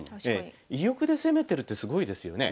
居玉で攻めてるってすごいですよね。